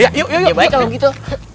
ya baik kalau gitu